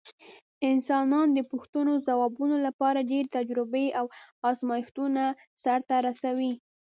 انسانان د پوښتنو ځوابولو لپاره ډېرې تجربې او ازمېښتونه سرته رسوي.